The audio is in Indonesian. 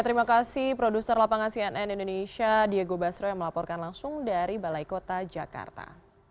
terima kasih produser lapangan cnn indonesia diego basro yang melaporkan langsung dari balai kota jakarta